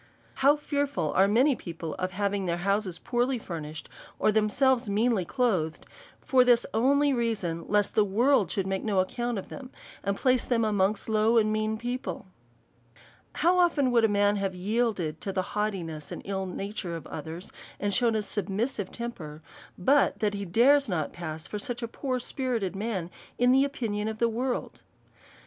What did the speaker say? How fearful are many people of having their houses poorly furnished, or themselves meanly clothed^ for this only reason, lest the world should make no ac count of them, and place them amongst low and mean people ! 220 A SERIOUS CALL TO A How often would a man have yielded to the haugh tiness and ill nature of others^ and shew a submissive temper^ but that he dares not pass for such a poor spirited man in the opinion of the world.